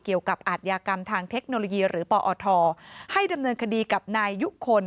เกี่ยวกับอาธิกรรมทางเทคโนโลยีหรือปอธให้ดำเนินคดีกับนายยุคคล